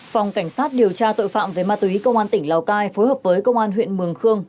phòng cảnh sát điều tra tội phạm về ma túy công an tỉnh lào cai phối hợp với công an huyện mường khương